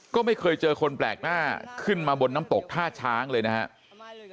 ก็ไม่เคยเจอคนแปลกหน้าขึ้นมาบนน้ำตกท่าช้างเลยนะครับ